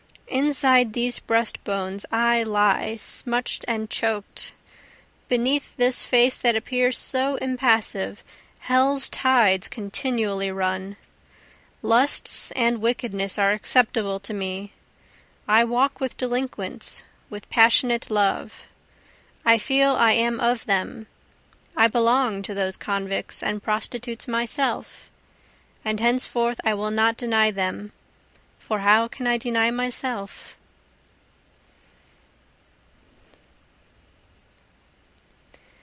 Inside these breast bones I lie smutch'd and choked, Beneath this face that appears so impassive hell's tides continually run, Lusts and wickedness are acceptable to me, I walk with delinquents with passionate love, I feel I am of them I belong to those convicts and prostitutes myself, And henceforth I will not deny them for how can I deny myself?